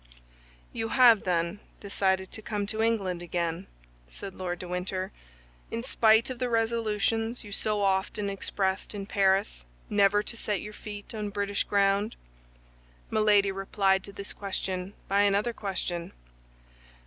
"You have, then, decided to come to England again," said Lord de Winter, "in spite of the resolutions you so often expressed in Paris never to set your feet on British ground?" Milady replied to this question by another question.